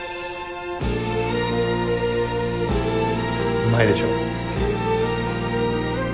うまいでしょ？